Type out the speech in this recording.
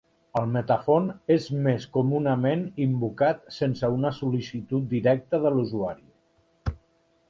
El Metafont és més comunament invocat sense una sol·licitud directa de l'usuari.